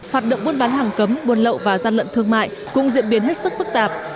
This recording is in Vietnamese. hoạt động buôn bán hàng cấm buôn lậu và gian lận thương mại cũng diễn biến hết sức phức tạp